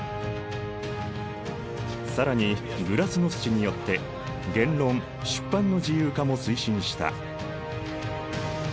更にグラスノスチによって言論・出版の自由化も推進した。